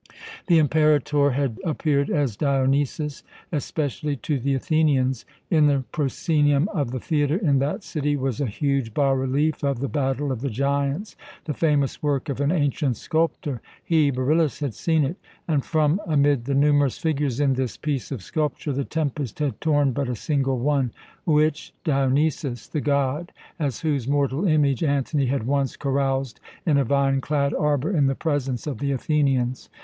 The Imperator had appeared as Dionysus, especially to the Athenians. In the proscenium of the theatre in that city was a huge bas relief of the Battle of the Giants, the famous work of an ancient sculptor he, Beryllus, had seen it and from amid the numerous figures in this piece of sculpture the tempest had torn but a single one which? Dionysus, the god as whose mortal image Antony had once caroused in a vine clad arbour in the presence of the Athenians.